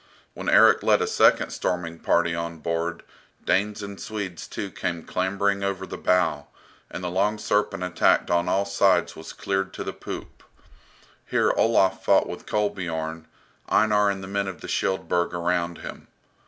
When Erik led a second storming party on board, Danes and Swedes too came clambering over the bow, and the "Long Serpent" attacked on all sides was cleared to the poop. Here Olaf fought with Kolbiorn, Einar and the men of the Shield burg around him.